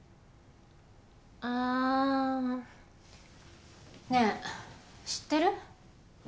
ああねえ知ってる？